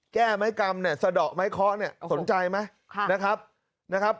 แก้ไม้กรรมเนี่ยสะดอกไม้เคาะเนี่ยสนใจไหมนะครับนะครับ